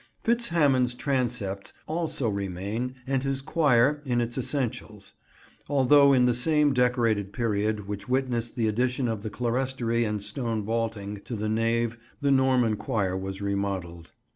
Fitz Hamon's transepts also remain and his choir, in its essentials; although in the same Decorated period which witnessed the addition of the clerestory and stone vaulting to the nave the Norman choir was remodelled.